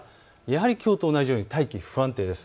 きょうと同じように大気不安定です。